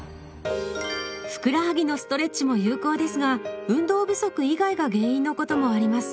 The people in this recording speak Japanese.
ふくらはぎのストレッチも有効ですが運動不足以外が原因のこともあります。